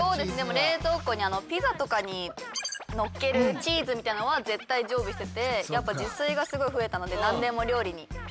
冷蔵庫にピザとかにのっけるチーズみたいなのは絶対常備しててやっぱ自炊がすごい増えたので何でも料理にかけたりとか。